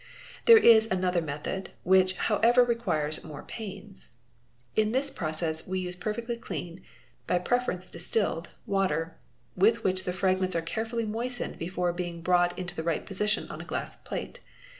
There is another method, which however requires much more pains. In this process we use perfectly clean (by preference distilled) water, — with which the fragments are carefully moistened before being brought to the right position on a glass plate.